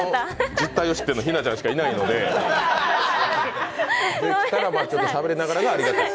実態を知ってるの日奈ちゃんしかいないのでできたら、しゃべりながらがありがたい。